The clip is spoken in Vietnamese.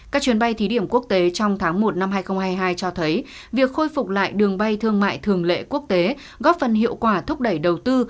các chuyến bay thí điểm quốc tế trong tháng một năm hai nghìn hai mươi hai cho thấy việc khôi phục lại đường bay thương mại thường lệ quốc tế góp phần hiệu quả thúc đẩy đầu tư